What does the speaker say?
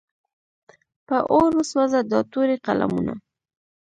په اور وسوځه دا تورې قلمونه.